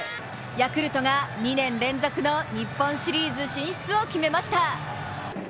ヤクルトが２年連続の日本シリーズ進出を決めました。